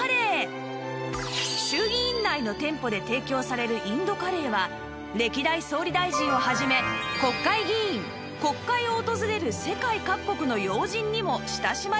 衆議院内の店舗で提供されるインドカレーは歴代総理大臣を始め国会議員国会を訪れる世界各国の要人にも親しまれているのだとか